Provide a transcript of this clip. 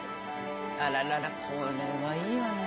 あらららこれはいいわね。